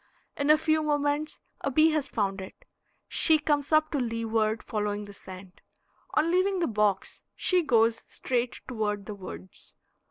In a few moments a bee has found it; she comes up to leeward, following the scent. On leaving the box she goes straight toward the woods.